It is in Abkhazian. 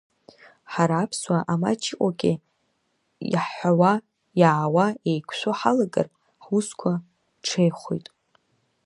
Ҳара аԥсуаа амаҷ иҟоугьы иаҳҳәауа, иаауа еиқәшәо ҳалагар, ҳусқәа ҽеихоит.